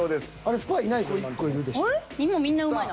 スパイいないぞ